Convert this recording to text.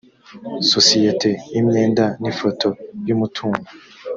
sosiyete imyenda n ifoto y umutungo